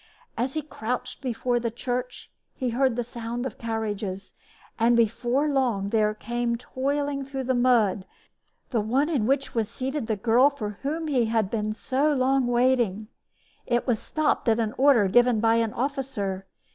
As he crouched before the church he heard the sound of carriages; and before long there came toiling through the mud the one in which was seated the girl for whom he had so long been waiting. It was stopped at an order given by an officer.